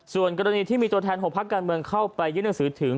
ส่วนกรณีที่มีตัวแทน๖พักการเมืองเข้าไปยื่นหนังสือถึง